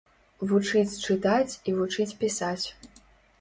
Вучыць чытаць і вучыць пісаць.